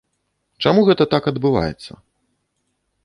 Чаму гэта так адбываецца?